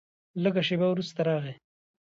لږ شېبه وروسته راغی.